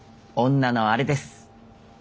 女のあれです。